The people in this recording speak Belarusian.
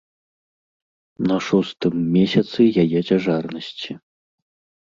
На шостым месяцы яе цяжарнасці.